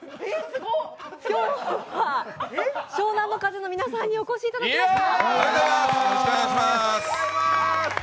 湘南乃風の皆さんにお越しいただきました。